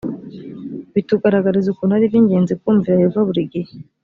bitugaragariza ukuntu ari iby ingenzi kumvira yehova buri gihe